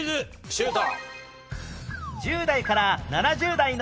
シュート！